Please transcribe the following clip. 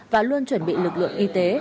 và luôn chuẩn bị lực lượng y tế